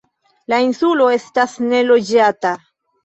La insulo estas neloĝata.